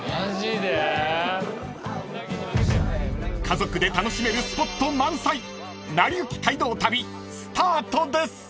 ［家族で楽しめるスポット満載『なりゆき街道旅』スタートです］